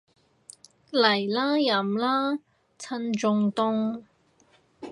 嚟啦，飲啦，趁仲凍